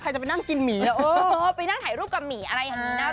จะไปนั่งกินหมีไปนั่งถ่ายรูปกับหมี่อะไรอย่างนี้นะ